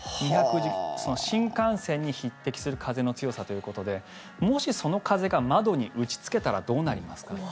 新幹線に匹敵する風の強さということでもし、その風が窓に打ちつけたらどうなりますか？